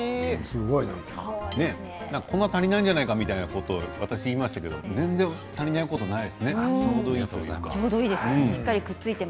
粉が足りないんじゃないかというようなことを私言いましたけれど全然足りないことはない。